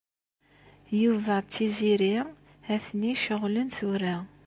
Yuba d Tiziri ha-ten-i ceɣlen tura.